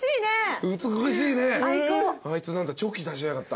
あいつチョキ出しやがった。